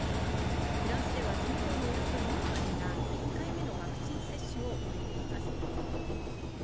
フランスでは人口のおよそ４割が１回目のワクチン接種を終えています。